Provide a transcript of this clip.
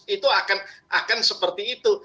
itu akan seperti itu